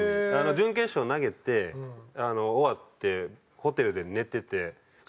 準決勝投げて終わってホテルで寝ててそ